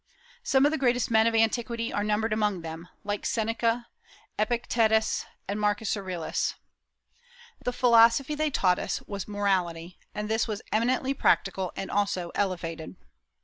Some of the greatest men of antiquity are numbered among them, like Seneca, Epictetus, and Marcus Aurelius. The philosophy they taught was morality, and this was eminently practical and also elevated.